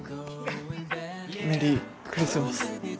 メリークリスマス。